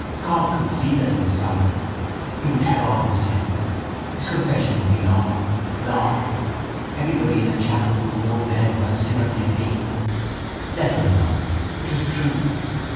God could see that he was sorry. He would tell all his sins. His confession would be long, long. Everybody in the chapel would know then what a sinner he had been. Let them know. It was true.